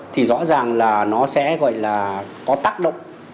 thì rõ ràng là nó sẽ gọi là có tác động